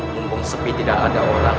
mumpung sepi tidak ada orang